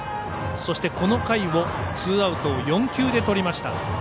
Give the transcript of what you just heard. そして、この回のツーアウト４球でとりました。